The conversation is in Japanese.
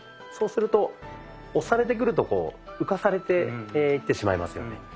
そうすると押されてくると浮かされていってしまいますよね。